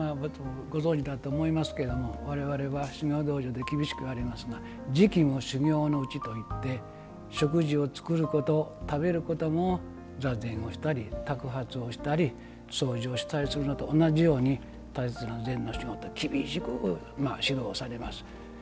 ご存じだと思いますけど我々は修行、厳しくやりますが食も修行のうちといって食事を作ることも食べることも座禅をしたり托鉢をしたり掃除をしたりするのと同じように修行だと厳しく指導されます。